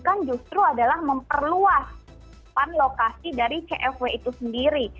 yang justru adalah memperluas lokasi dari cfw itu sendiri